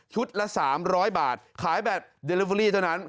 ชุดละสามร้อยบาทขายแบบเดลิเวอรี่เท่านั้น